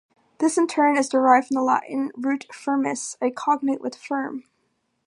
This in turn is derived from the Latin root "firmus", a cognate with "firm".